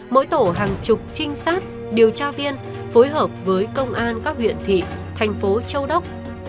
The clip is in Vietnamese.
mỗi tổ hàng chục trinh sát điều tra viên phối hợp với công an các huyện thị thành phố châu đốc